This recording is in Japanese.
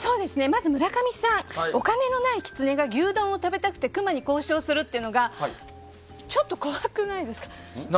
まず村上さんお金のないキツネが牛丼を食べたくてクマに交渉するっていうのがちょっと怖くないですか？